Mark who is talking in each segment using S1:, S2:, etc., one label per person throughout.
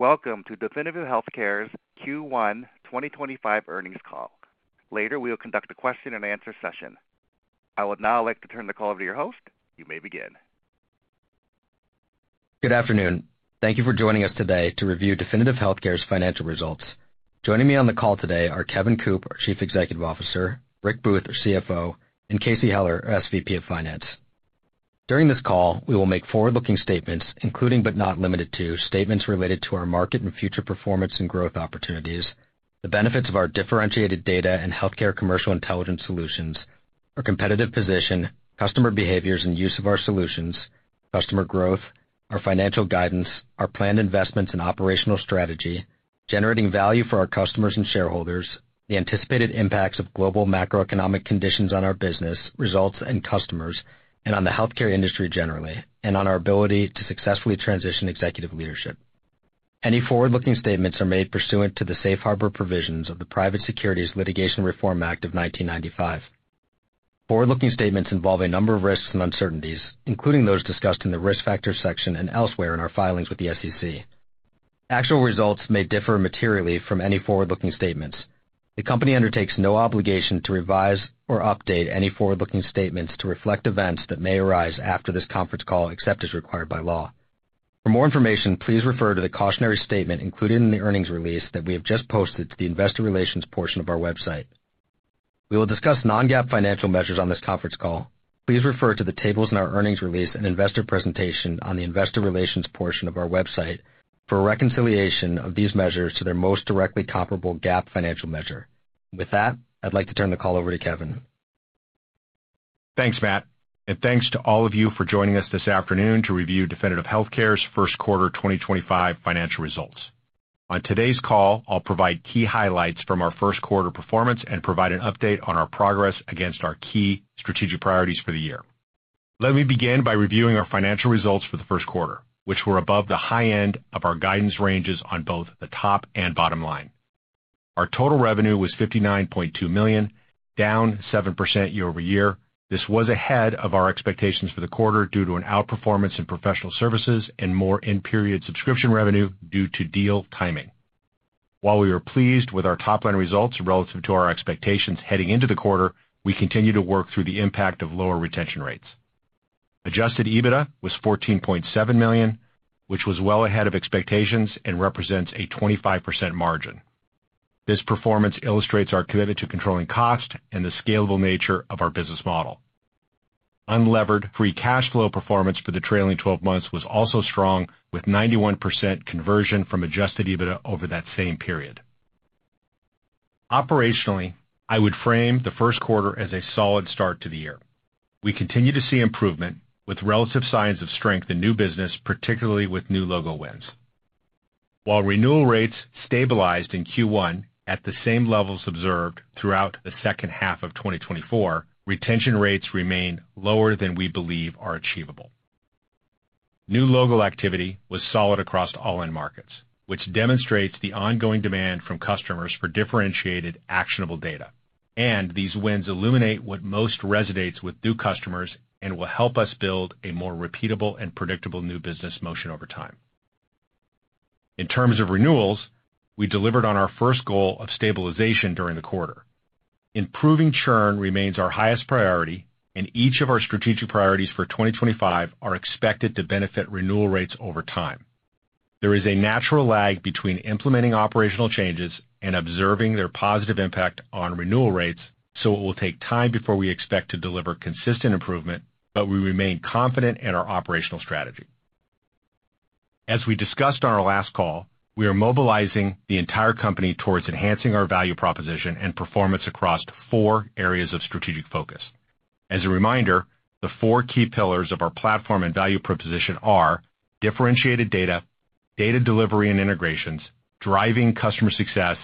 S1: Welcome to Definitive Healthcare's Q1 2025 Earnings Call. Later, we will conduct a question-and-answer session. I would now like to turn the call over to your host. You may begin.
S2: Good afternoon. Thank you for joining us today to review Definitive Healthcare's financial results. Joining me on the call today are Kevin Coop, our Chief Executive Officer; Rick Booth, our CFO; and Casey Heller, our SVP of Finance. During this call, we will make forward-looking statements, including but not limited to statements related to our market and future performance and growth opportunities, the benefits of our differentiated data and healthcare commercial intelligence solutions, our competitive position, customer behaviors and use of our solutions, customer growth, our financial guidance, our planned investments and operational strategy, generating value for our customers and shareholders, the anticipated impacts of global macroeconomic conditions on our business, results and customers, and on the healthcare industry generally, and on our ability to successfully transition executive leadership. Any forward-looking statements are made pursuant to the safe harbor provisions of the Private Securities Litigation Reform Act of 1995. Forward-looking statements involve a number of risks and uncertainties, including those discussed in the risk factors section and elsewhere in our filings with the SEC. Actual results may differ materially from any forward-looking statements. The company undertakes no obligation to revise or update any forward-looking statements to reflect events that may arise after this conference call, except as required by law. For more information, please refer to the cautionary statement included in the earnings release that we have just posted to the investor relations portion of our website. We will discuss non-GAAP financial measures on this conference call. Please refer to the tables in our earnings release and investor presentation on the investor relations portion of our website for reconciliation of these measures to their most directly comparable GAAP financial measure. With that, I'd like to turn the call over to Kevin.
S3: Thanks, Matt. Thanks to all of you for joining us this afternoon to review Definitive Healthcare's First Quarter 2025 Financial Results. On today's call, I'll provide key highlights from our first quarter performance and provide an update on our progress against our key strategic priorities for the year. Let me begin by reviewing our financial results for the first quarter, which were above the high end of our guidance ranges on both the top and bottom line. Our total revenue was $59.2 million, down 7% year-over-year. This was ahead of our expectations for the quarter due to an outperformance in professional services and more in-period subscription revenue due to deal timing. While we are pleased with our top-line results relative to our expectations heading into the quarter, we continue to work through the impact of lower retention rates. Adjusted EBITDA was $14.7 million, which was well ahead of expectations and represents a 25% margin. This performance illustrates our commitment to controlling cost and the scalable nature of our business model. Unlevered free cash flow performance for the trailing 12 months was also strong, with 91% conversion from adjusted EBITDA over that same period. Operationally, I would frame the first quarter as a solid start to the year. We continue to see improvement with relative signs of strength in new business, particularly with new logo wins. While renewal rates stabilized in Q1 at the same levels observed throughout the second half of 2024, retention rates remain lower than we believe are achievable. New logo activity was solid across all end markets, which demonstrates the ongoing demand from customers for differentiated actionable data. These wins illuminate what most resonates with new customers and will help us build a more repeatable and predictable new business motion over time. In terms of renewals, we delivered on our first goal of stabilization during the quarter. Improving churn remains our highest priority, and each of our strategic priorities for 2025 are expected to benefit renewal rates over time. There is a natural lag between implementing operational changes and observing their positive impact on renewal rates, so it will take time before we expect to deliver consistent improvement, but we remain confident in our operational strategy. As we discussed on our last call, we are mobilizing the entire company towards enhancing our value proposition and performance across four areas of strategic focus. As a reminder, the four key pillars of our platform and value proposition are differentiated data, data delivery and integrations, driving customer success,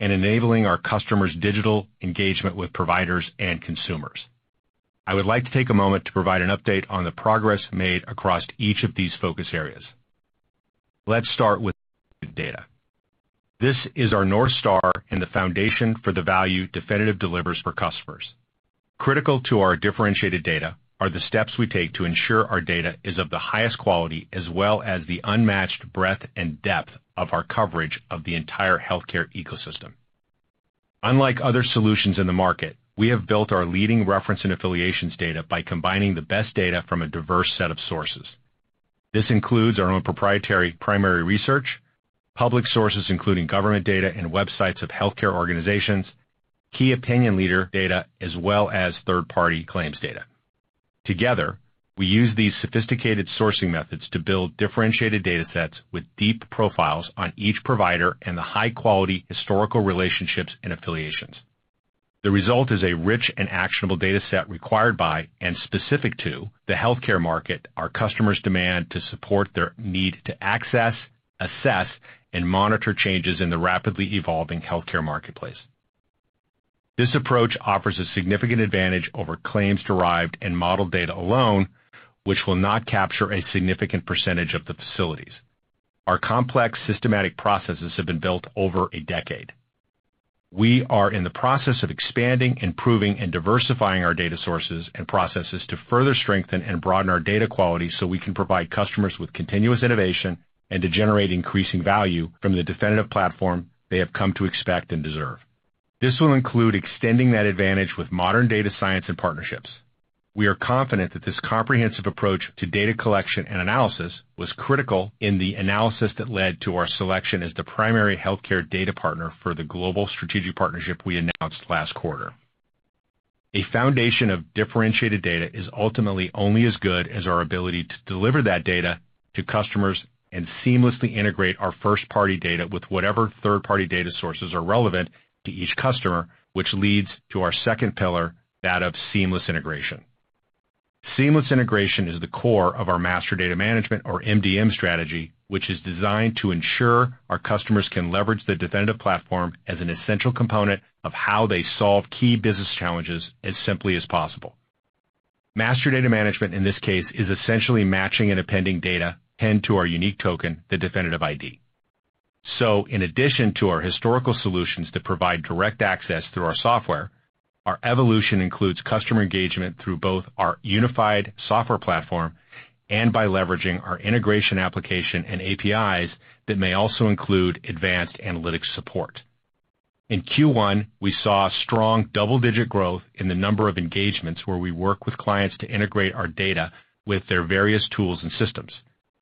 S3: and enabling our customers' digital engagement with providers and consumers. I would like to take a moment to provide an update on the progress made across each of these focus areas. Let's start with data. This is our North Star and the foundation for the value Definitive Healthcare delivers for customers. Critical to our differentiated data are the steps we take to ensure our data is of the highest quality as well as the unmatched breadth and depth of our coverage of the entire healthcare ecosystem. Unlike other solutions in the market, we have built our leading reference and affiliations data by combining the best data from a diverse set of sources. This includes our own proprietary primary research, public sources including government data and websites of healthcare organizations, key opinion leader data, as well as third-party claims data. Together, we use these sophisticated sourcing methods to build differentiated data sets with deep profiles on each provider and the high-quality historical relationships and affiliations. The result is a rich and actionable data set required by and specific to the healthcare market, our customers' demand to support their need to access, assess, and monitor changes in the rapidly evolving healthcare marketplace. This approach offers a significant advantage over claims-derived and model data alone, which will not capture a significant percentage of the facilities. Our complex systematic processes have been built over a decade. We are in the process of expanding, improving, and diversifying our data sources and processes to further strengthen and broaden our data quality so we can provide customers with continuous innovation and to generate increasing value from the Definitive Platform they have come to expect and deserve. This will include extending that advantage with modern data science and partnerships. We are confident that this comprehensive approach to data collection and analysis was critical in the analysis that led to our selection as the primary healthcare data partner for the global strategic partnership we announced last quarter. A foundation of differentiated data is ultimately only as good as our ability to deliver that data to customers and seamlessly integrate our first-party data with whatever third-party data sources are relevant to each customer, which leads to our second pillar, that of seamless integration. Seamless integration is the core of our master data management, or MDM, strategy, which is designed to ensure our customers can leverage the Definitive Platform as an essential component of how they solve key business challenges as simply as possible. Master data management, in this case, is essentially matching and appending data pinned to our unique token, the Definitive ID. In addition to our historical solutions that provide direct access through our software, our evolution includes customer engagement through both our unified software platform and by leveraging our integration application and APIs that may also include advanced analytics support. In Q1, we saw strong double-digit growth in the number of engagements where we work with clients to integrate our data with their various tools and systems.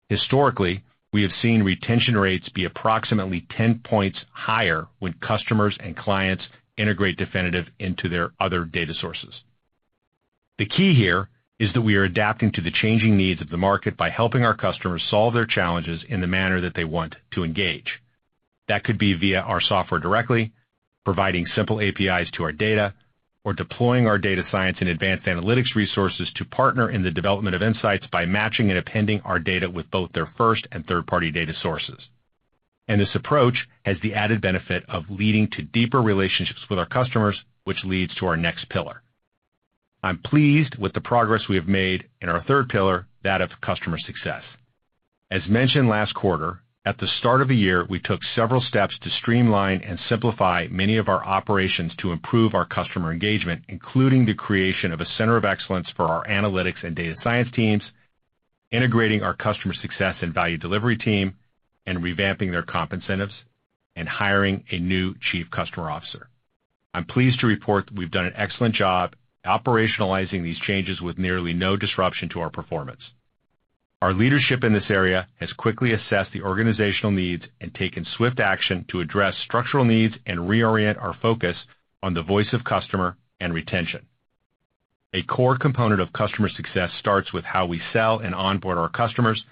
S3: Historically, we have seen retention rates be approximately 10 points higher when customers and clients integrate Definitive into their other data sources. The key here is that we are adapting to the changing needs of the market by helping our customers solve their challenges in the manner that they want to engage. That could be via our software directly, providing simple APIs to our data, or deploying our data science and advanced analytics resources to partner in the development of insights by matching and appending our data with both their first and third-party data sources. This approach has the added benefit of leading to deeper relationships with our customers, which leads to our next pillar. I'm pleased with the progress we have made in our third pillar, that of customer success. As mentioned last quarter, at the start of the year, we took several steps to streamline and simplify many of our operations to improve our customer engagement, including the creation of a center of excellence for our analytics and data science teams, integrating our customer success and value delivery team, and revamping their comp incentives, and hiring a new Chief Customer Officer. I'm pleased to report that we've done an excellent job operationalizing these changes with nearly no disruption to our performance. Our leadership in this area has quickly assessed the organizational needs and taken swift action to address structural needs and reorient our focus on the voice of customer and retention. A core component of customer success starts with how we sell and onboard our customers,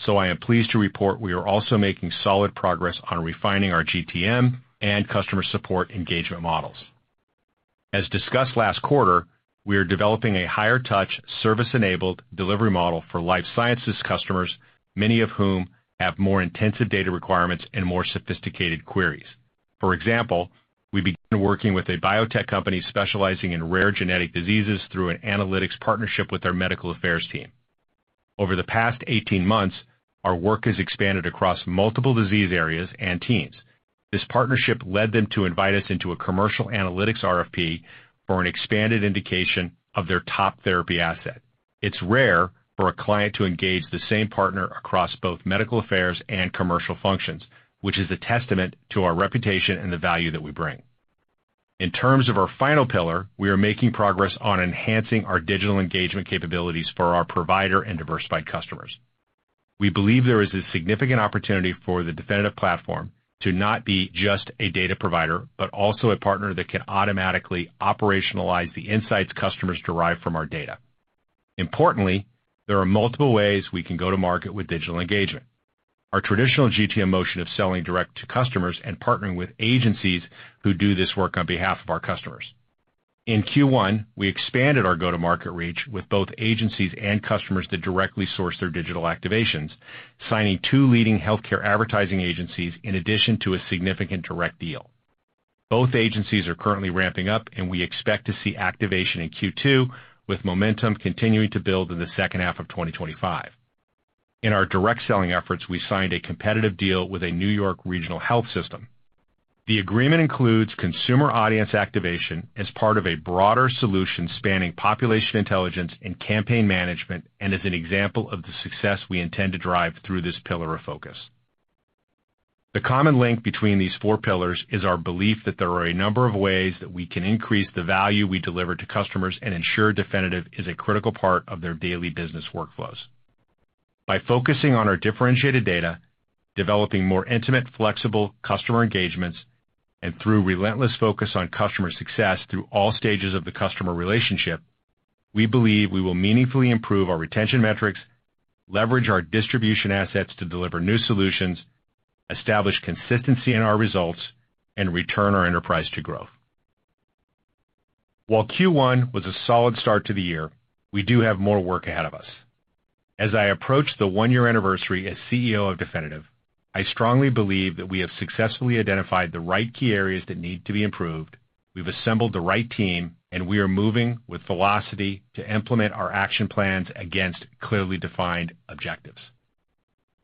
S3: so I am pleased to report we are also making solid progress on refining our GTM and customer support engagement models. As discussed last quarter, we are developing a higher-touch, service-enabled delivery model for life sciences customers, many of whom have more intensive data requirements and more sophisticated queries. For example, we began working with a biotech company specializing in rare genetic diseases through an analytics partnership with their medical affairs team. Over the past 18 months, our work has expanded across multiple disease areas and teams. This partnership led them to invite us into a commercial analytics RFP for an expanded indication of their top therapy asset. It's rare for a client to engage the same partner across both medical affairs and commercial functions, which is a testament to our reputation and the value that we bring. In terms of our final pillar, we are making progress on enhancing our digital engagement capabilities for our provider and diversified customers. We believe there is a significant opportunity for the Definitive Platform to not be just a data provider, but also a partner that can automatically operationalize the insights customers derive from our data. Importantly, there are multiple ways we can go to market with digital engagement. Our traditional GTM motion of selling direct to customers and partnering with agencies who do this work on behalf of our customers. In Q1, we expanded our go-to-market reach with both agencies and customers that directly source their digital activations, signing two leading healthcare advertising agencies in addition to a significant direct deal. Both agencies are currently ramping up, and we expect to see activation in Q2, with momentum continuing to build in the second half of 2025. In our direct selling efforts, we signed a competitive deal with a New York regional health system. The agreement includes consumer audience activation as part of a broader solution spanning population intelligence and campaign management and is an example of the success we intend to drive through this pillar of focus. The common link between these four pillars is our belief that there are a number of ways that we can increase the value we deliver to customers and ensure Definitive is a critical part of their daily business workflows. By focusing on our differentiated data, developing more intimate, flexible customer engagements, and through relentless focus on customer success through all stages of the customer relationship, we believe we will meaningfully improve our retention metrics, leverage our distribution assets to deliver new solutions, establish consistency in our results, and return our enterprise to growth. While Q1 was a solid start to the year, we do have more work ahead of us. As I approach the one-year anniversary as CEO of Definitive Healthcare, I strongly believe that we have successfully identified the right key areas that need to be improved, we've assembled the right team, and we are moving with velocity to implement our action plans against clearly defined objectives.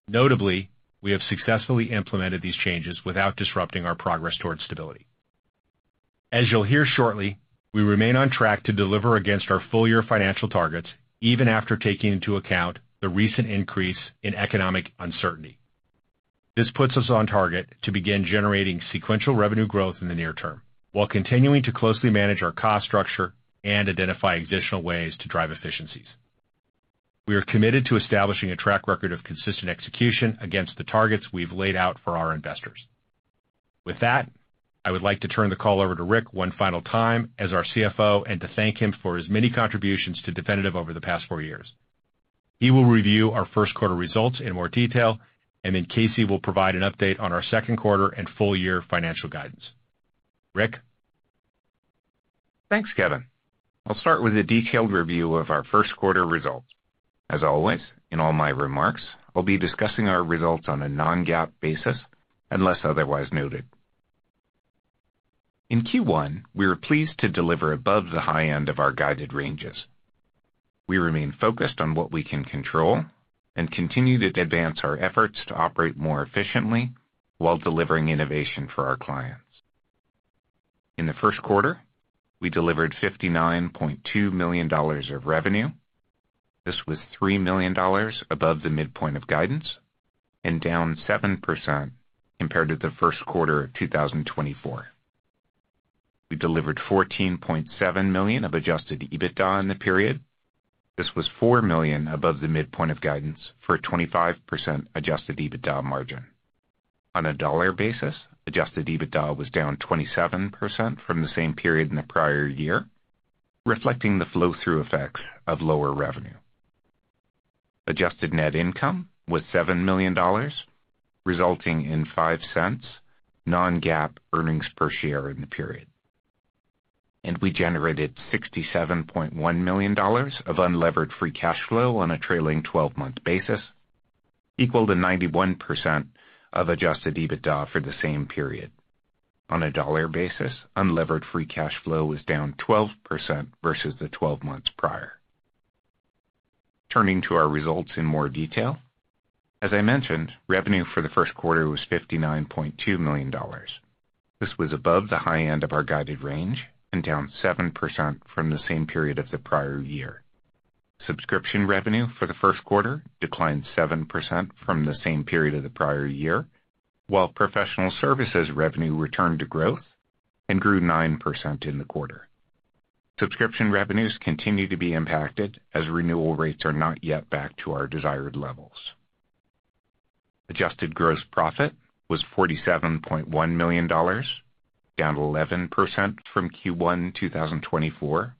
S3: Notably, we have successfully implemented these changes without disrupting our progress towards stability. As you'll hear shortly, we remain on track to deliver against our full-year financial targets, even after taking into account the recent increase in economic uncertainty. This puts us on target to begin generating sequential revenue growth in the near term, while continuing to closely manage our cost structure and identify additional ways to drive efficiencies. We are committed to establishing a track record of consistent execution against the targets we've laid out for our investors. With that, I would like to turn the call over to Rick one final time as our CFO and to thank him for his many contributions to Definitive over the past four years. He will review our first quarter results in more detail, and then Casey will provide an update on our second quarter and full-year financial guidance. Rick?
S4: Thanks, Kevin. I'll start with a detailed review of our first quarter results. As always, in all my remarks, I'll be discussing our results on a non-GAAP basis, unless otherwise noted. In Q1, we were pleased to deliver above the high end of our guided ranges. We remain focused on what we can control and continue to advance our efforts to operate more efficiently while delivering innovation for our clients. In the first quarter, we delivered $59.2 million of revenue. This was $3 million above the midpoint of guidance and down 7% compared to the first quarter of 2024. We delivered $14.7 million of adjusted EBITDA in the period. This was $4 million above the midpoint of guidance for a 25% adjusted EBITDA margin. On a dollar basis, adjusted EBITDA was down 27% from the same period in the prior year, reflecting the flow-through effects of lower revenue. Adjusted net income was $7 million, resulting in $0.05 non-GAAP earnings per share in the period. We generated $67.1 million of unlevered free cash flow on a trailing 12-month basis, equal to 91% of adjusted EBITDA for the same period. On a dollar basis, unlevered free cash flow was down 12% versus the 12 months prior. Turning to our results in more detail, as I mentioned, revenue for the first quarter was $59.2 million. This was above the high end of our guided range and down 7% from the same period of the prior year. Subscription revenue for the first quarter declined 7% from the same period of the prior year, while professional services revenue returned to growth and grew 9% in the quarter. Subscription revenues continue to be impacted as renewal rates are not yet back to our desired levels. Adjusted gross profit was $47.1 million, down 11% from Q1 2024.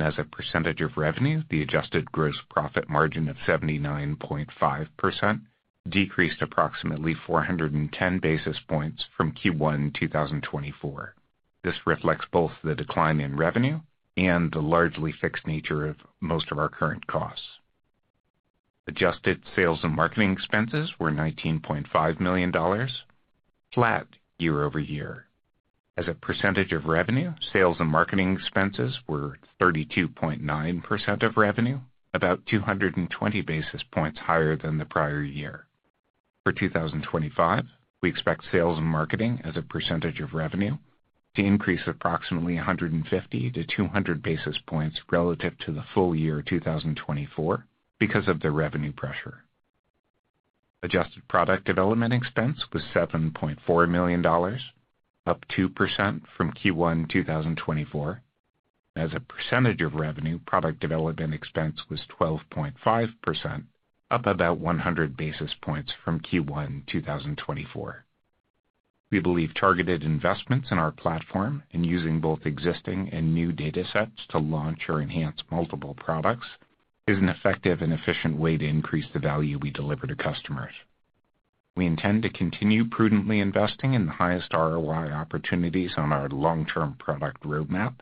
S4: As a percentage of revenue, the adjusted gross profit margin of 79.5% decreased approximately 410 basis points from Q1 2024. This reflects both the decline in revenue and the largely fixed nature of most of our current costs. Adjusted sales and marketing expenses were $19.5 million, flat year-over-year. As a percentage of revenue, sales and marketing expenses were 32.9% of revenue, about 220 basis points higher than the prior year. For 2025, we expect sales and marketing, as a percentage of revenue, to increase approximately 150-200 basis points relative to the full year 2024 because of the revenue pressure. Adjusted product development expense was $7.4 million, up 2% from Q1 2024. As a percentage of revenue, product development expense was 12.5%, up about 100 basis points from Q1 2024. We believe targeted investments in our platform and using both existing and new data sets to launch or enhance multiple products is an effective and efficient way to increase the value we deliver to customers. We intend to continue prudently investing in the highest ROI opportunities on our long-term product roadmap,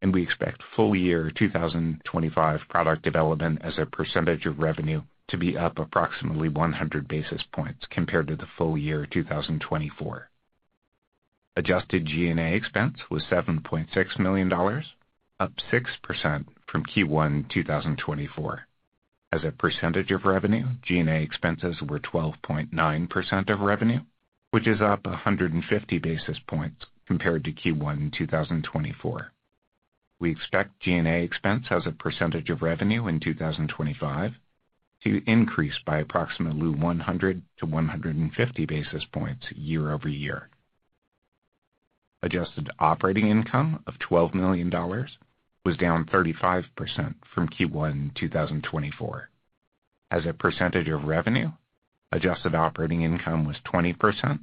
S4: and we expect full-year 2025 product development, as a percentage of revenue, to be up approximately 100 basis points compared to the full year 2024. Adjusted G&A expense was $7.6 million, up 6% from Q1 2024. As a percentage of revenue, G&A expenses were 12.9% of revenue, which is up 150 basis points compared to Q1 2024. We expect G&A expense, as a percentage of revenue in 2025, to increase by approximately 100-150 basis points year-over-year. Adjusted operating income of $12 million was down 35% from Q1 2024. As a percentage of revenue, adjusted operating income was 20%,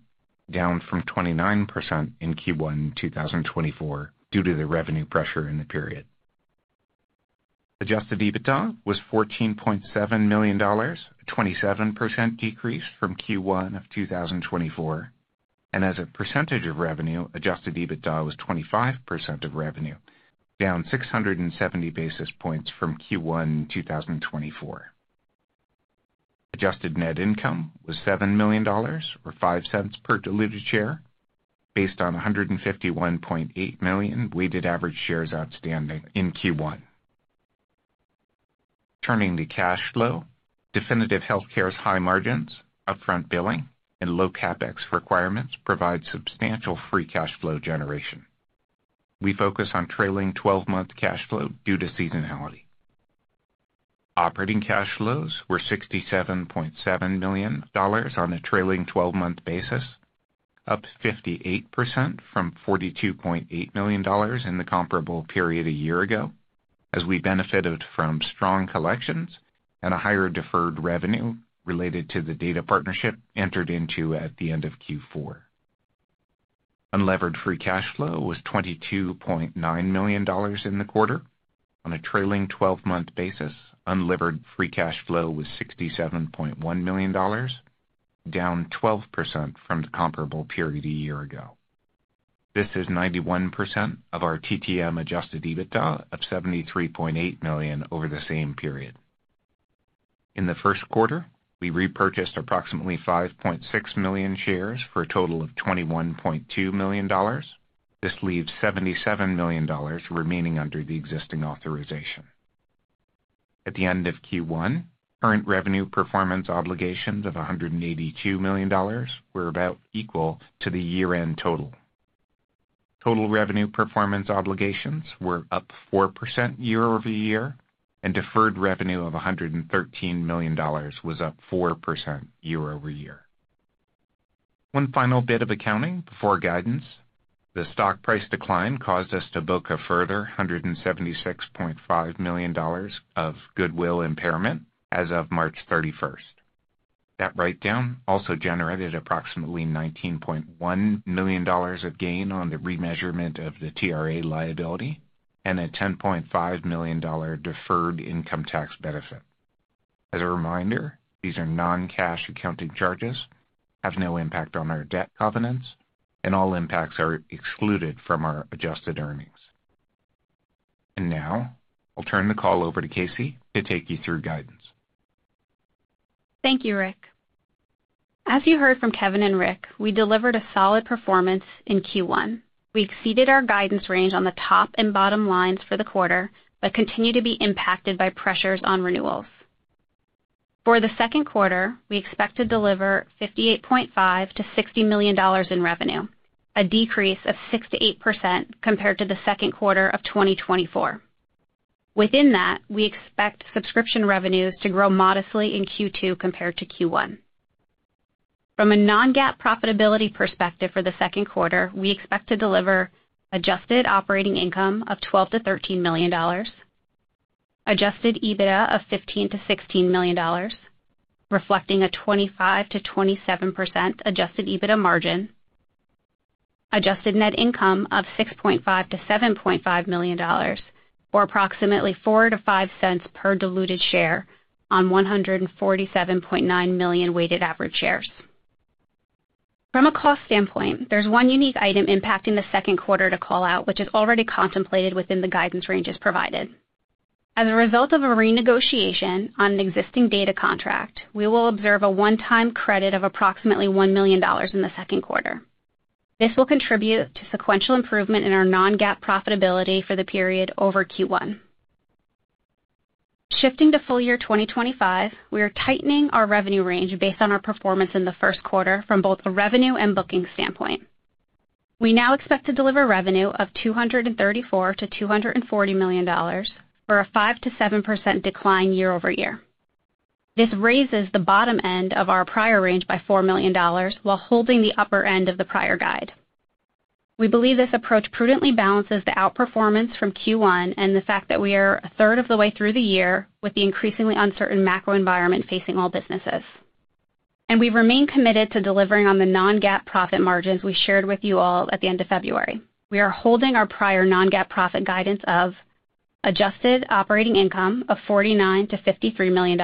S4: down from 29% in Q1 2024 due to the revenue pressure in the period. Adjusted EBITDA was $14.7 million, a 27% decrease from Q1 2024. As a percentage of revenue, adjusted EBITDA was 25% of revenue, down 670 basis points from Q1 2024. Adjusted net income was $7 million, or $0.05 per delivered share, based on 151.8 million weighted average shares outstanding in Q1. Turning to cash flow, Definitive Healthcare's high margins, upfront billing, and low CapEx requirements provide substantial free cash flow generation. We focus on trailing 12-month cash flow due to seasonality. Operating cash flows were $67.7 million on a trailing 12-month basis, up 58% from $42.8 million in the comparable period a year ago, as we benefited from strong collections and a higher deferred revenue related to the data partnership entered into at the end of Q4. Unlevered free cash flow was $22.9 million in the quarter. On a trailing 12-month basis, unlevered free cash flow was $67.1 million, down 12% from the comparable period a year ago. This is 91% of our TTM adjusted EBITDA of $73.8 million over the same period. In the first quarter, we repurchased approximately 5.6 million shares for a total of $21.2 million. This leaves $77 million remaining under the existing authorization. At the end of Q1, current revenue performance obligations of $182 million were about equal to the year-end total. Total revenue performance obligations were up 4% year-over-year, and deferred revenue of $113 million was up 4% year-over-year. One final bit of accounting before guidance: the stock price decline caused us to book a further $176.5 million of goodwill impairment as of March 31. That write-down also generated approximately $19.1 million of gain on the remeasurement of the TRA liability and a $10.5 million deferred income tax benefit. As a reminder, these are non-cash accounting charges, have no impact on our debt covenants, and all impacts are excluded from our adjusted earnings. Now, I'll turn the call over to Casey to take you through guidance.
S5: Thank you, Rick. As you heard from Kevin and Rick, we delivered a solid performance in Q1. We exceeded our guidance range on the top and bottom lines for the quarter, but continue to be impacted by pressures on renewals. For the second quarter, we expect to deliver $58.5-$60 million in revenue, a decrease of 6%-8% compared to the second quarter of 2024. Within that, we expect subscription revenues to grow modestly in Q2 compared to Q1. From a non-GAAP profitability perspective for the second quarter, we expect to deliver adjusted operating income of $12-$13 million, adjusted EBITDA of $15-$16 million, reflecting a 25%-27% adjusted EBITDA margin, adjusted net income of $6.5-$7.5 million, or approximately $0.04-$0.05 per diluted share on 147.9 million weighted average shares. From a cost standpoint, there's one unique item impacting the second quarter to call out, which is already contemplated within the guidance ranges provided. As a result of a renegotiation on an existing data contract, we will observe a one-time credit of approximately $1 million in the second quarter. This will contribute to sequential improvement in our non-GAAP profitability for the period over Q1. Shifting to full year 2025, we are tightening our revenue range based on our performance in the first quarter from both a revenue and booking standpoint. We now expect to deliver revenue of $234-$240 million for a 5%-7% decline year-over-year. This raises the bottom end of our prior range by $4 million while holding the upper end of the prior guide. We believe this approach prudently balances the outperformance from Q1 and the fact that we are a third of the way through the year with the increasingly uncertain macro environment facing all businesses. We remain committed to delivering on the non-GAAP profit margins we shared with you all at the end of February. We are holding our prior non-GAAP profit guidance of adjusted operating income of $49-$53 million,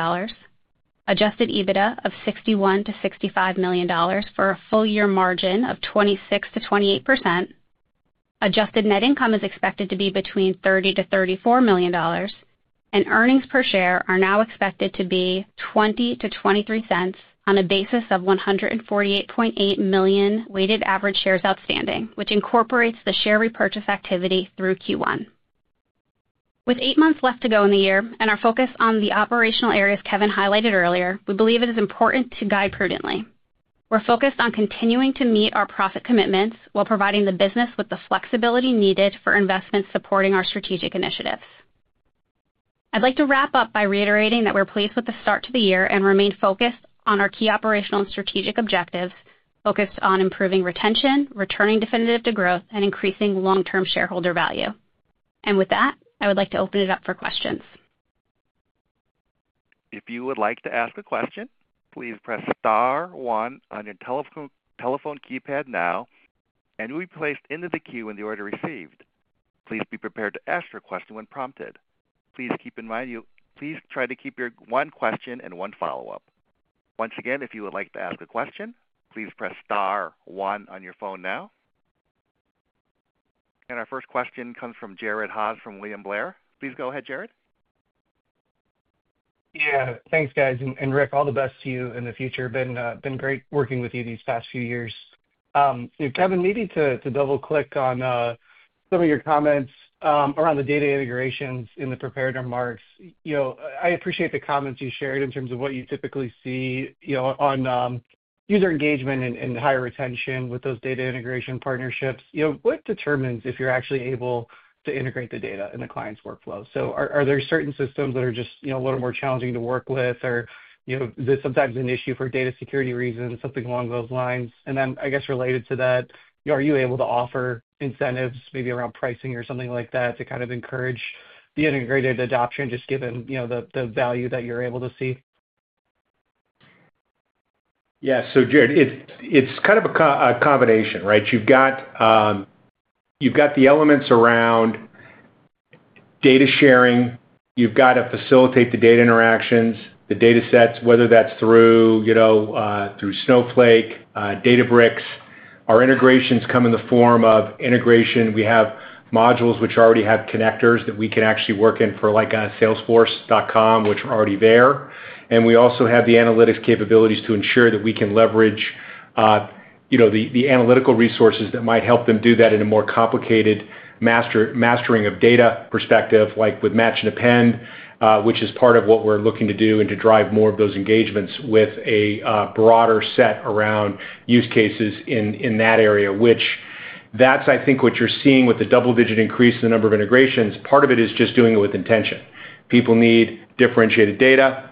S5: adjusted EBITDA of $61-$65 million for a full-year margin of 26%-28%. Adjusted net income is expected to be between $30-$34 million, and earnings per share are now expected to be $0.20-$0.23 on a basis of 148.8 million weighted average shares outstanding, which incorporates the share repurchase activity through Q1. With eight months left to go in the year and our focus on the operational areas Kevin highlighted earlier, we believe it is important to guide prudently. We're focused on continuing to meet our profit commitments while providing the business with the flexibility needed for investments supporting our strategic initiatives. I'd like to wrap up by reiterating that we're pleased with the start to the year and remain focused on our key operational and strategic objectives focused on improving retention, returning Definitive Healthcare to growth, and increasing long-term shareholder value. I would like to open it up for questions.
S1: If you would like to ask a question, please press star one on your telephone keypad now, and you will be placed into the queue when the order is received. Please be prepared to ask your question when prompted. Please keep in mind, please try to keep your one question and one follow-up. Once again, if you would like to ask a question, please press star one on your phone now. Our first question comes from Jared Haase from William Blair. Please go ahead, Jared.
S6: Yeah, thanks, guys. And Rick, all the best to you in the future. Been great working with you these past few years. Kevin, maybe to double-click on some of your comments around the data integrations in the prepared remarks, I appreciate the comments you shared in terms of what you typically see on user engagement and higher retention with those data integration partnerships. What determines if you're actually able to integrate the data in the clien t's workflow? Are there certain systems that are just a little more challenging to work with, or is it sometimes an issue for data security reasons, something along those lines? I guess, related to that, are you able to offer incentives, maybe around pricing or something like that, to kind of encourage the integrated adoption, just given the value that you're able to see?
S3: Yeah, so Jared, it's kind of a combination, right? You've got the elements around data sharing. You've got to facilitate the data interactions, the data sets, whether that's through Snowflake, Databricks. Our integrations come in the form of integration. We have modules which already have connectors that we can actually work in for like Salesforce.com, which are already there. We also have the analytics capabilities to ensure that we can leverage the analytical resources that might help them do that in a more complicated mastering of data perspective, like with match and append, which is part of what we're looking to do and to drive more of those engagements with a broader set around use cases in that area. That is, I think, what you're seeing with the double-digit increase in the number of integrations. Part of it is just doing it with intention. People need differentiated data.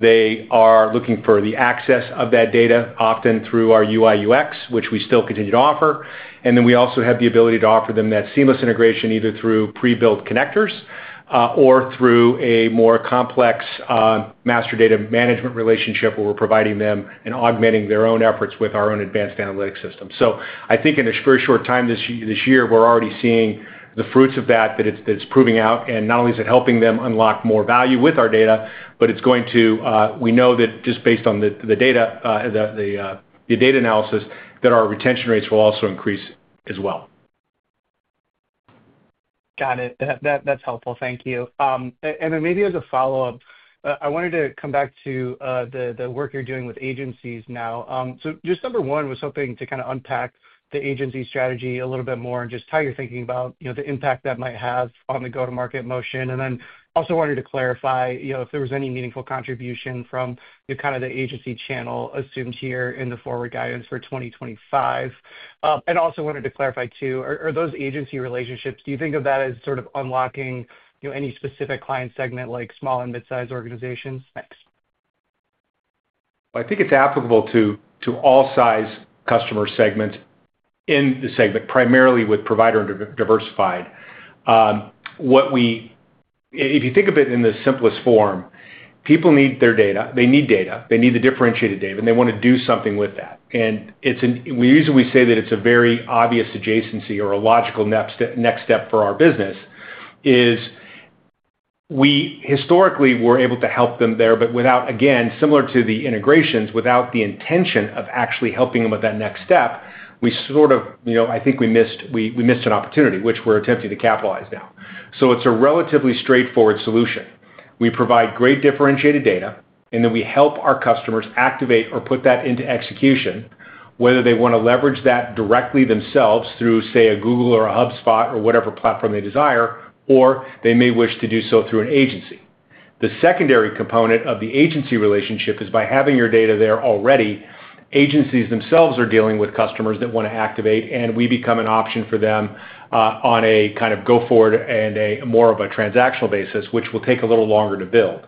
S3: They are looking for the access of that data, often through our UI/UX, which we still continue to offer. We also have the ability to offer them that seamless integration, either through pre-built connectors or through a more complex master data management relationship where we're providing them and augmenting their own efforts with our own advanced analytics system. I think in the very short time this year, we're already seeing the fruits of that, that it's proving out. Not only is it helping them unlock more value with our data, but we know that just based on the data, the data analysis, our retention rates will also increase as well.
S6: Got it. That's helpful. Thank you. Maybe as a follow-up, I wanted to come back to the work you're doing with agencies now. Just number one, I was hoping to kind of unpack the agency strategy a little bit more and just how you're thinking about the impact that might have on the go-to-market motion. I also wanted to clarify if there was any meaningful contribution from kind of the agency channel assumed here in the forward guidance for 2025. I also wanted to clarify too, are those agency relationships, do you think of that as sort of unlocking any specific client segment, like small and mid-sized organizations? Thanks.
S3: I think it's applicable to all size customer segments in the segment, primarily with provider and diversified. If you think of it in the simplest form, people need their data. They need data. They need the differentiated data, and they want to do something with that. The reason we say that it's a very obvious adjacency or a logical next step for our business is we historically were able to help them there, but again, similar to the integrations, without the intention of actually helping them with that next step, we sort of, I think we missed an opportunity, which we're attempting to capitalize on now. It's a relatively straightforward solution. We provide great differentiated data, and then we help our customers activate or put that into execution, whether they want to leverage that directly themselves through, say, a Google or a HubSpot or whatever platform they desire, or they may wish to do so through an agency. The secondary component of the agency relationship is by having your data there already, agencies themselves are dealing with customers that want to activate, and we become an option for them on a kind of go-forward and more of a transactional basis, which will take a little longer to build.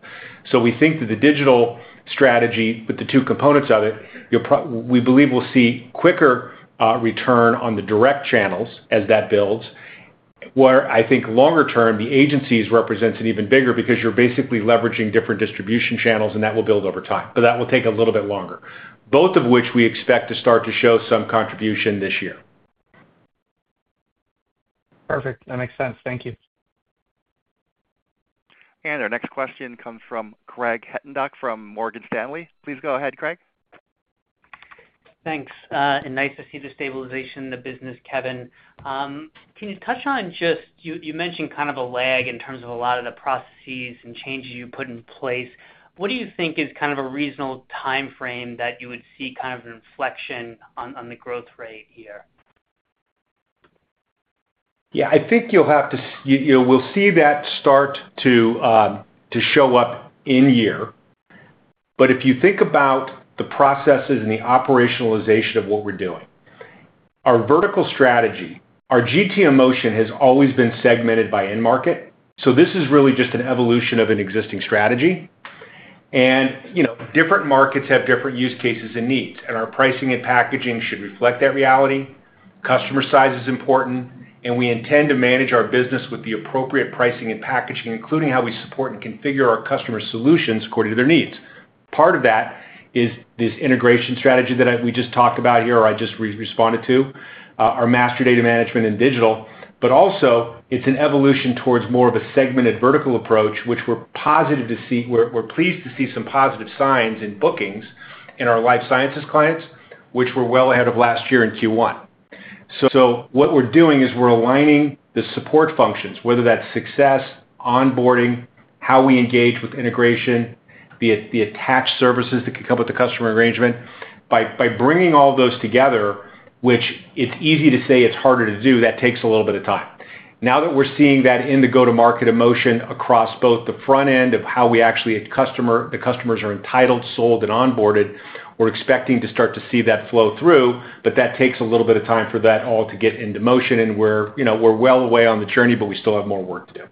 S3: We think that the digital strategy with the two components of it, we believe we'll see quicker return on the direct channels as that builds, where I think longer term, the agencies represents an even bigger because you're basically leveraging different distribution channels, and that will build over time, but that will take a little bit longer, both of which we expect to start to show some contribution this year.
S1: Perfect. That makes sense. Thank you. Our next question comes from Craig Hettenbach from Morgan Stanley. Please go ahead, Craig.
S7: Thanks. Nice to see the stabilization in the business, Kevin. Can you touch on just you mentioned kind of a lag in terms of a lot of the processes and changes you put in place. What do you think is kind of a reasonable time frame that you would see kind of an inflection on the growth rate here?
S3: Yeah, I think you'll have to we'll see that start to show up in year. If you think about the processes and the operationalization of what we're doing, our vertical strategy, our GTM motion has always been segmented by end market. This is really just an evolution of an existing strategy. Different markets have different use cases and needs, and our pricing and packaging should reflect that reality. Customer size is important, and we intend to manage our business with the appropriate pricing and packaging, including how we support and configure our customer solutions according to their needs. Part of that is this integration strategy that we just talked about here, or I just responded to, our master data management and digital. It is also an evolution towards more of a segmented vertical approach, which we are positive to see. We are pleased to see some positive signs in bookings in our life sciences clients, which were well ahead of last year in Q1. What we are doing is we are aligning the support functions, whether that is success, onboarding, how we engage with integration, the attached services that can come with the customer arrangement, by bringing all those together, which is easy to say and harder to do. That takes a little bit of time. Now that we are seeing that in the go-to-market motion across both the front end of how we actually customer, the customers are entitled, sold, and onboarded, we are expecting to start to see that flow through, but that takes a little bit of time for that all to get into motion. We are well away on the journey, but we still have more work to do.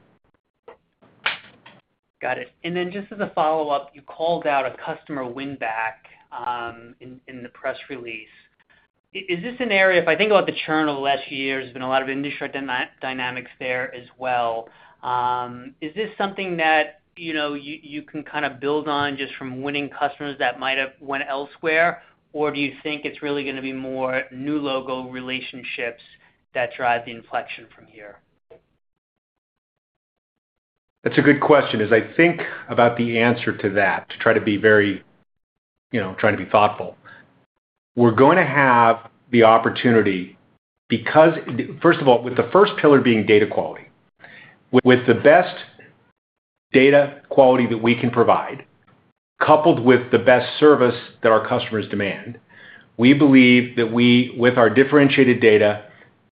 S7: Got it. Just as a follow-up, you called out a customer win back in the press release. Is this an area? If I think about the churn over the last few years, there has been a lot of industry dynamics there as well. Is this something that you can kind of build on just from winning customers that might have went elsewhere, or do you think it is really going to be more new logo relationships that drive the inflection from here?
S3: That is a good question. As I think about the answer to that, to try to be very, trying to be thoughtful, we're going to have the opportunity because, first of all, with the first pillar being data quality, with the best data quality that we can provide, coupled with the best service that our customers demand, we believe that we, with our differentiated data,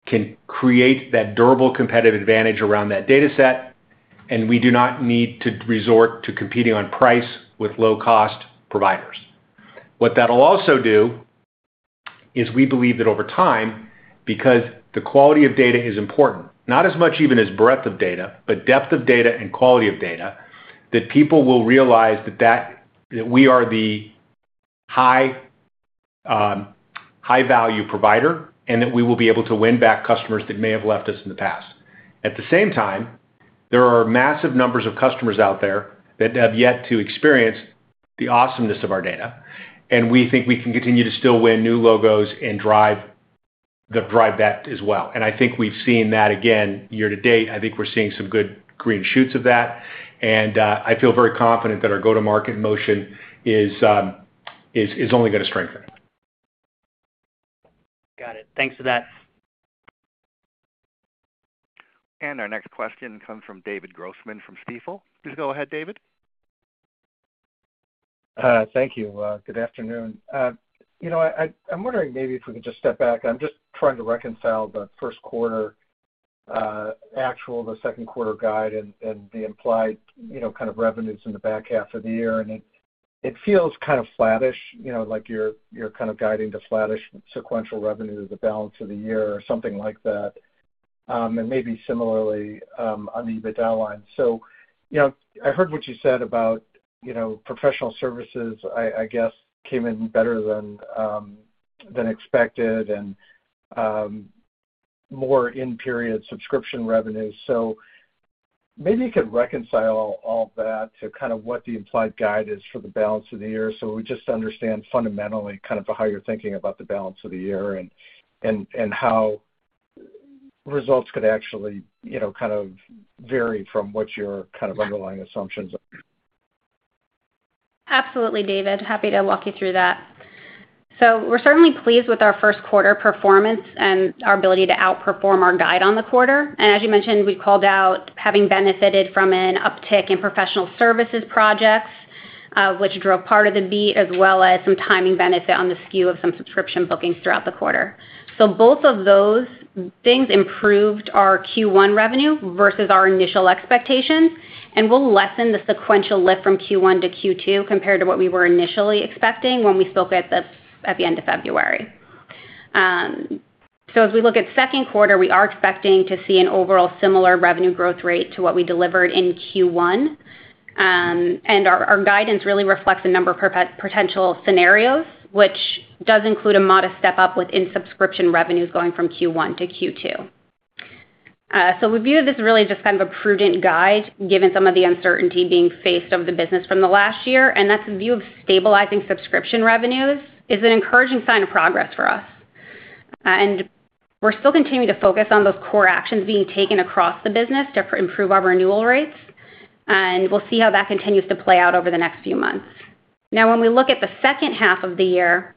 S3: can create that durable competitive advantage around that data set, and we do not need to resort to competing on price with low-cost providers. What that will also do is we believe that over time, because the quality of data is important, not as much even as breadth of data, but depth of data and quality of data, that people will realize that we are the high-value provider and that we will be able to win back customers that may have left us in the past. At the same time, there are massive numbers of customers out there that have yet to experience the awesomeness of our data, and we think we can continue to still win new logos and drive that as well. I think we've seen that again year to date. I think we're seeing some good green shoots of that, and I feel very confident that our go-to-market motion is only going to strengthen.
S7: Got it. Thanks for that.
S1: Our next question comes from David Grossman from Stifel. Please go ahead, David.
S8: Thank you. Good afternoon. I'm wondering maybe if we could just step back. I'm just trying to reconcile the first quarter actual, the second quarter guide, and the implied kind of revenues in the back half of the year. It feels kind of flattish, like you're kind of guiding to flattish sequential revenue as a balance of the year or something like that, and maybe similarly on the EBITDA line. I heard what you said about professional services, I guess, came in better than expected and more in-period subscription revenue. Maybe you could reconcile all that to kind of what the implied guide is for the balance of the year. We just understand fundamentally kind of how you're thinking about the balance of the year and how results could actually kind of vary from what your kind of underlying assumptions are.
S5: Absolutely, David. Happy to walk you through that. We're certainly pleased with our first quarter performance and our ability to outperform our guide on the quarter. As you mentioned, we called out having benefited from an uptick in professional services projects, which drove part of the beat, as well as some timing benefit on the skew of some subscription bookings throughout the quarter. Both of those things improved our Q1 revenue versus our initial expectations, and will lessen the sequential lift from Q1-Q2 compared to what we were initially expecting when we spoke at the end of February. As we look at second quarter, we are expecting to see an overall similar revenue growth rate to what we delivered in Q1. Our guidance really reflects a number of potential scenarios, which does include a modest step up within subscription revenues going from Q1-Q2. We view this really just kind of a prudent guide, given some of the uncertainty being faced by the business from the last year. That's a view of stabilizing subscription revenues, which is an encouraging sign of progress for us. We're still continuing to focus on those core actions being taken across the business to improve our renewal rates. We'll see how that continues to play out over the next few months. Now, when we look at the second half of the year,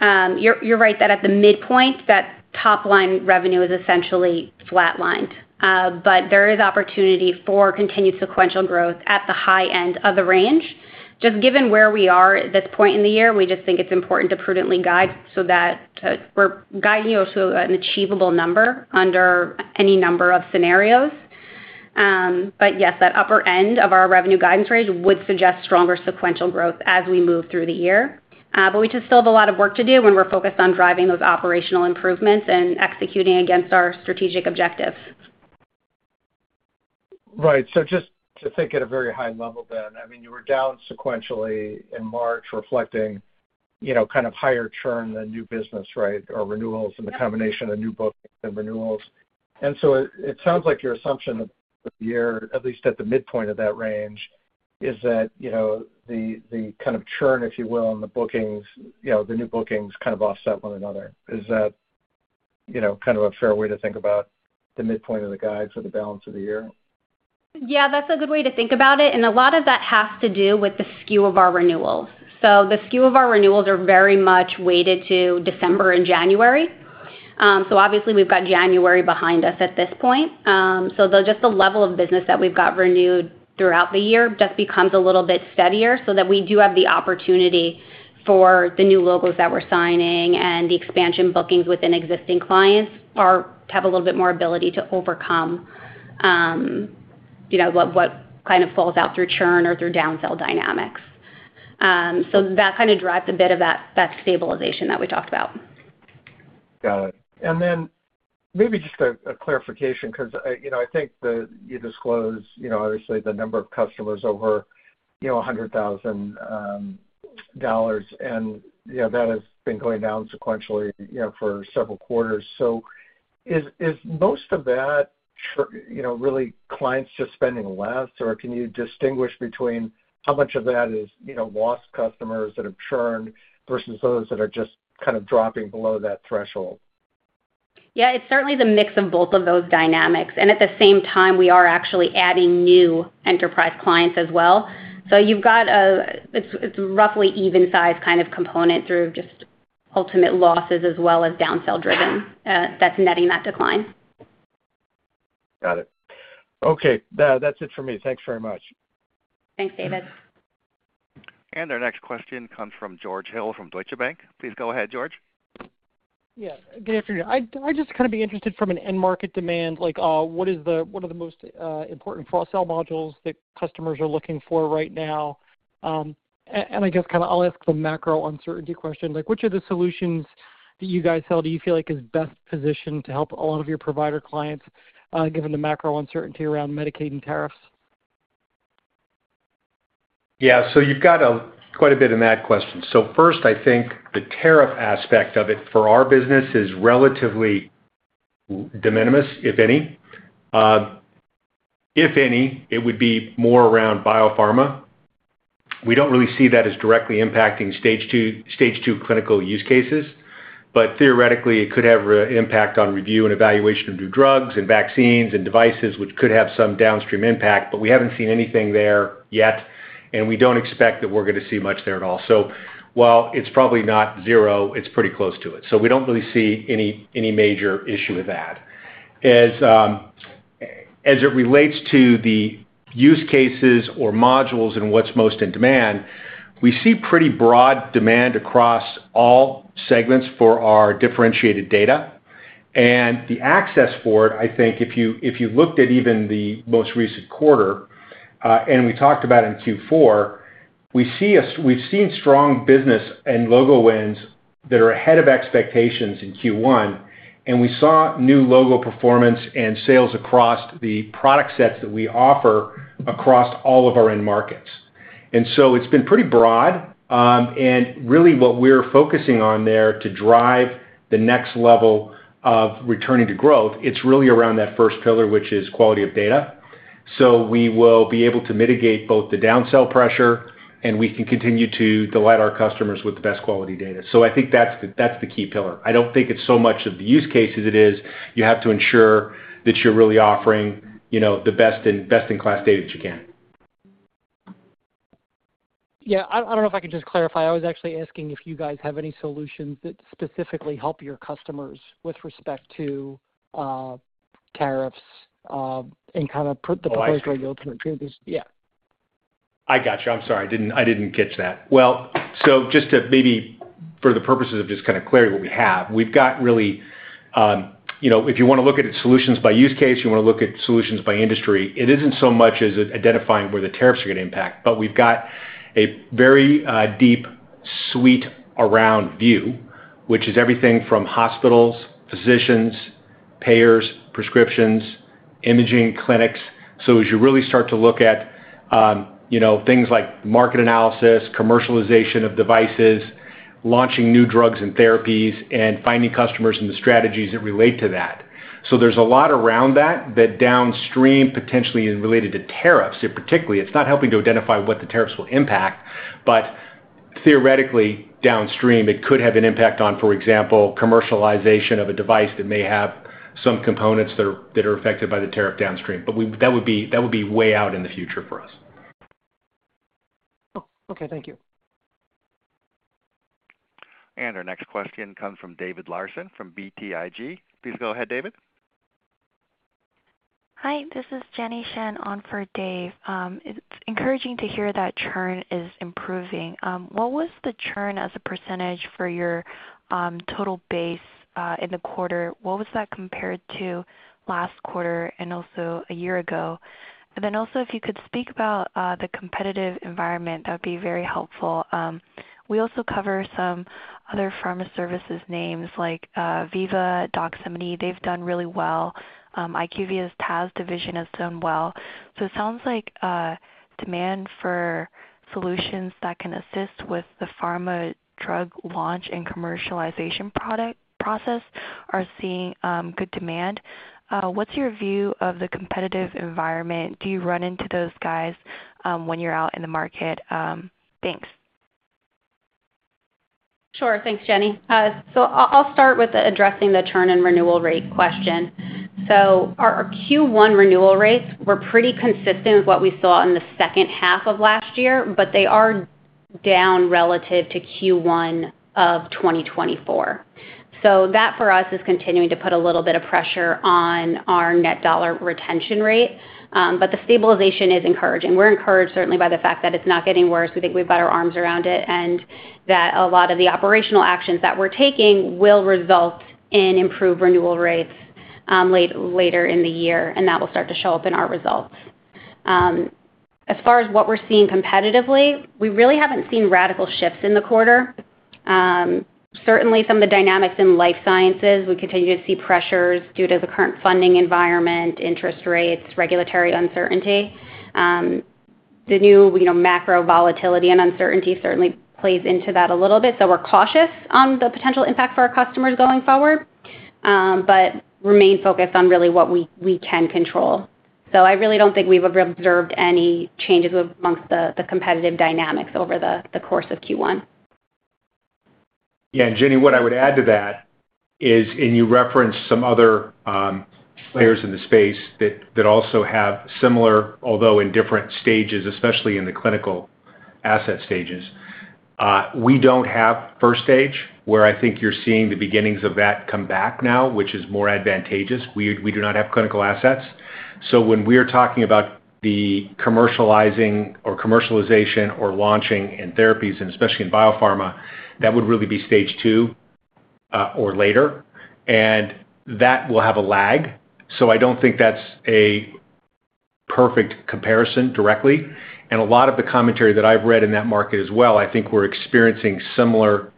S5: you're right that at the midpoint, that top-line revenue is essentially flatlined, but there is opportunity for continued sequential growth at the high end of the range. Just given where we are at this point in the year, we think it's important to prudently guide so that we're guiding you to an achievable number under any number of scenarios. Yes, that upper end of our revenue guidance range would suggest stronger sequential growth as we move through the year. We just still have a lot of work to do when we're focused on driving those operational improvements and executing against our strategic objectives.
S8: Right. Just to think at a very high level then, I mean, you were down sequentially in March, reflecting kind of higher churn than new business, right, or renewals and the combination of new bookings and renewals. It sounds like your assumption of the year, at least at the midpoint of that range, is that the kind of churn, if you will, on the bookings, the new bookings kind of offset one another. Is that kind of a fair way to think about the midpoint of the guide for the balance of the year?
S5: Yeah, that's a good way to think about it. A lot of that has to do with the skew of our renewals. The skew of our renewals are very much weighted to December and January. Obviously, we have January behind us at this point. The level of business that we have renewed throughout the year just becomes a little bit steadier so that we do have the opportunity for the new logos that we are signing and the expansion bookings within existing clients to have a little bit more ability to overcome what kind of falls out through churn or through downsell dynamics. That kind of drives a bit of that stabilization that we talked about.
S8: Got it. Maybe just a clarification because I think you disclosed, obviously, the number of customers over $100,000, and that has been going down sequentially for several quarters. Is most of that really clients just spending less, or can you distinguish between how much of that is lost customers that have churned versus those that are just kind of dropping below that threshold?
S5: Yeah, it's certainly the mix of both of those dynamics. At the same time, we are actually adding new enterprise clients as well. You have a roughly even-sized kind of component through just ultimate losses as well as downsell driven that's netting that decline.
S9: Got it. Okay. That's it for me. Thanks very much. Thanks, David.
S1: Our next question comes from George Hill from Deutsche Bank. Please go ahead, George.
S10: Yeah. Good afternoon. I'd just kind of be interested from an end market demand, like what are the most important cross-sell modules that customers are looking for right now? I guess kind of I'll ask the macro uncertainty question. Which of the solutions that you guys sell do you feel like is best positioned to help a lot of your provider clients given the macro uncertainty around Medicaid and tariffs?
S3: Yeah. So you've got quite a bit in that question. First, I think the tariff aspect of it for our business is relatively de minimis, if any. If any, it would be more around biopharma. We don't really see that as directly impacting stage two clinical use cases, but theoretically, it could have an impact on review and evaluation of new drugs and vaccines and devices, which could have some downstream impact, but we haven't seen anything there yet, and we don't expect that we're going to see much there at all. While it's probably not zero, it's pretty close to it. We don't really see any major issue with that. As it relates to the use cases or modules and what's most in demand, we see pretty broad demand across all segments for our differentiated data. The access for it, I think if you looked at even the most recent quarter, and we talked about it in Q4, we've seen strong business and logo wins that are ahead of expectations in Q1, and we saw new logo performance and sales across the product sets that we offer across all of our end markets. It's been pretty broad. Really, what we're focusing on there to drive the next level of returning to growth, it's really around that first pillar, which is quality of data. We will be able to mitigate both the downsell pressure, and we can continue to delight our customers with the best quality data. I think that's the key pillar. I don't think it's so much of the use cases it is. You have to ensure that you're really offering the best in class data that you can.
S10: Yeah. I don't know if I can just clarify. I was actually asking if you guys have any solutions that specifically help your customers with respect to tariffs and kind of the proposed regulatory changes.
S3: Yeah. I got you. I'm sorry. I didn't catch that. Just to maybe for the purposes of just kind of clarity of what we have, we've got really if you want to look at solutions by use case, you want to look at solutions by industry, it isn't so much as identifying where the tariffs are going to impact, but we've got a very deep suite around view, which is everything from hospitals, physicians, payers, prescriptions, imaging clinics. As you really start to look at things like market analysis, commercialization of devices, launching new drugs and therapies, and finding customers and the strategies that relate to that, there is a lot around that that downstream potentially is related to tariffs, particularly. It's not helping to identify what the tariffs will impact, but theoretically, downstream, it could have an impact on, for example, commercialization of a device that may have some components that are affected by the tariff downstream. That would be way out in the future for us.
S10: Okay. Thank you.
S1: Our next question comes from David Larsen from BTIG. Please go ahead, David.
S11: Hi. This is Jenny Shen on for Dave. It's encouraging to hear that churn is improving. What was the churn as a percentage for your total base in the quarter? What was that compared to last quarter and also a year ago? If you could speak about the competitive environment, that would be very helpful. We also cover some other pharma services names like Veeva, Doximity. They've done really well. IQVIA's TAS division has done well. It sounds like demand for solutions that can assist with the pharma drug launch and commercialization process are seeing good demand. What's your view of the competitive environment? Do you run into those guys when you're out in the market? Thanks.
S5: Sure. Thanks, Jenny. I'll start with addressing the churn and renewal rate question. Our Q1 renewal rates were pretty consistent with what we saw in the second half of last year, but they are down relative to Q1 of 2024. That for us is continuing to put a little bit of pressure on our net dollar retention rate, but the stabilization is encouraging. We're encouraged certainly by the fact that it's not getting worse. We think we've got our arms around it and that a lot of the operational actions that we're taking will result in improved renewal rates later in the year, and that will start to show up in our results. As far as what we're seeing competitively, we really haven't seen radical shifts in the quarter. Certainly, some of the dynamics in life sciences, we continue to see pressures due to the current funding environment, interest rates, regulatory uncertainty. The new macro volatility and uncertainty certainly plays into that a little bit. We are cautious on the potential impact for our customers going forward, but remain focused on really what we can control. I really don't think we've observed any changes amongst the competitive dynamics over the course of Q1.
S3: Yeah. Jenny, what I would add to that is, and you referenced some other players in the space that also have similar, although in different stages, especially in the clinical asset stages. We don't have first stage where I think you're seeing the beginnings of that come back now, which is more advantageous. We do not have clinical assets. When we are talking about the commercializing or commercialization or launching in therapies, and especially in biopharma, that would really be stage two or later, and that will have a lag. I don't think that's a perfect comparison directly. A lot of the commentary that I've read in that market as well, I think we're experiencing similar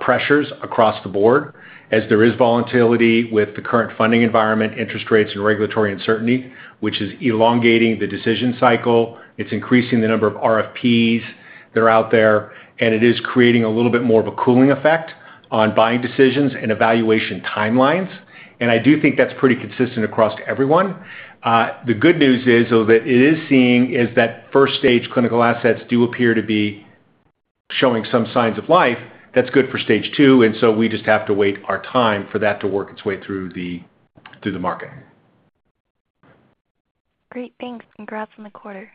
S3: pressures across the board as there is volatility with the current funding environment, interest rates, and regulatory uncertainty, which is elongating the decision cycle. It's increasing the number of RFPs that are out there, and it is creating a little bit more of a cooling effect on buying decisions and evaluation timelines. I do think that's pretty consistent across everyone. The good news is, though, that what it is seeing is that first stage clinical assets do appear to be showing some signs of life. That's good for stage two, and so we just have to wait our time for that to work its way through the market.
S11: Great. Thanks. Congrats on the quarter.